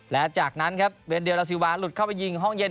และจากนั้นครับเวนเดลลาซิวาหลุดเข้าไปยิงห้องเย็น